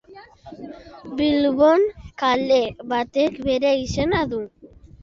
Bilbon kale batek bere izena du.